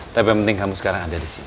tapi yang penting kamu sekarang ada di sini